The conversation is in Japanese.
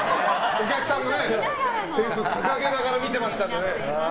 お客さんが点数掲げながら見てましたからね。